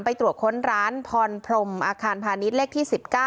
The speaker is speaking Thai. ไปตรวจค้นร้านพรพรมอาคารพาณิชย์เลขที่๑๙